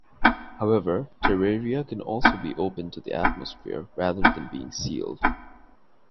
However, terraria can also be open to the atmosphere rather than being sealed.